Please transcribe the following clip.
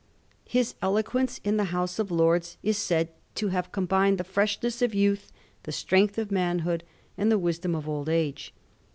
His eloquence in the House of Lords is said to have combined the freshness of youth, the strength of manhood, and the wisdom of old age.